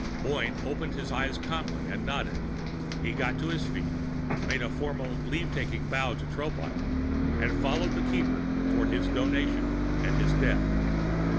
Boyne opened his eyes calmly and nodded. He got to his feet, made a formal leavetaking bow to Tropile, and followed the Keeper toward his Donation and his death.